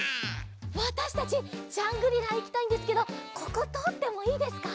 わたしたちジャングリラいきたいんですけどこことおってもいいですか？